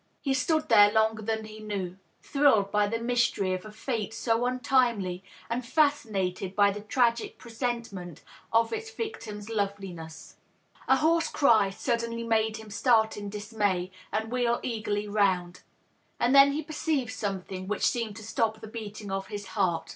He stood there longer than he knew, thrilled by the mystery of a fate so untimely, and &scinated by the tragic presentment of its victim's loveliness. A hoarse cry suddenly made him start in dismay and wheel eagerly round. And then he perceived something which seemed to stop the beating of his heart.